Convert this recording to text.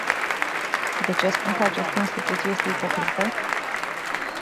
De ce spun că această instituție este ipocrită?